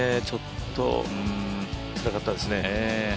ちょっとつらかったですね。